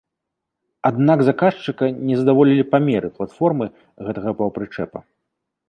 Аднак заказчыка не задаволілі памеры платформы гэтага паўпрычэпа.